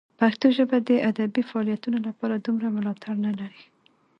پښتو ژبه د ادبي فعالیتونو لپاره دومره ملاتړ نه لري.